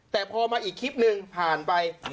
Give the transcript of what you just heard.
แต่พอมาอีกคลิปหนึ่งผ่านไป